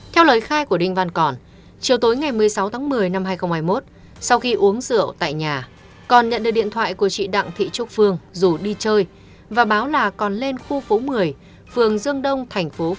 theo lời khai của đinh văn còn chiều tối ngày một mươi sáu tháng một mươi năm hai nghìn hai mươi một sau khi uống rượu tại nhà